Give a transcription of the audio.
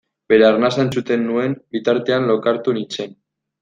Bere arnasa entzuten nuen bitartean lokartu nintzen.